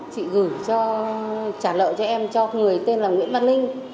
chị gửi cho trả lợi cho em cho người tên là nguyễn văn linh